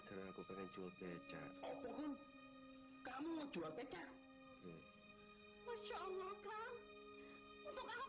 kok sustri itu manggil kamu dok dok kamu dokter apa ya